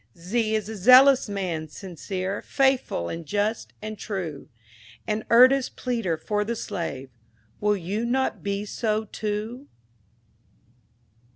Z is a Zealous man, sincere, Faithful, and just, and true; An earnest pleader for the slave— Will you not be so too?